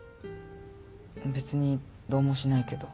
別にどうもしないけど。